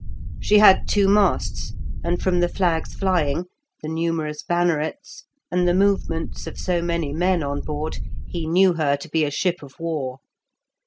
She had two masts, and from the flags flying, the numerous bannerets, and the movements of so many men on board, he knew her to be a ship of war.